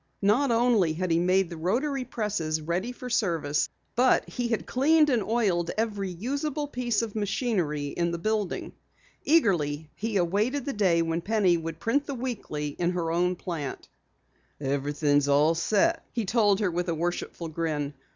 Not only had he made the rotary presses ready for service, but he had cleaned and oiled every useable piece of machinery in the building. Eagerly he awaited the day when Penny would print the Weekly in her own plant. "Everything's all set," he told her with a worshipful grin.